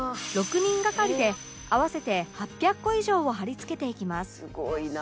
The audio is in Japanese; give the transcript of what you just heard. ６人がかりで合わせて８００個以上を貼り付けていきます